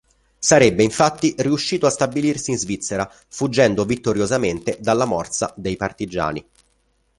Sarebbe infatti riuscito a stabilirsi in Svizzera fuggendo vittoriosamente dalla morsa dei partigiani.